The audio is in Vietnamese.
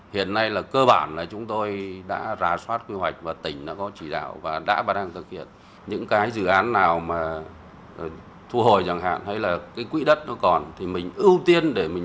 hiện nay là cơ bản là chúng tôi đã rà soát quy hoạch và tỉnh đã có chỉ đạo và đã bắt đầu thực hiện